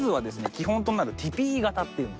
基本となるティピー型っていうのを。